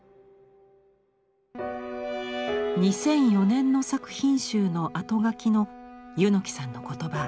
２００４年の作品集のあとがきの柚木さんの言葉。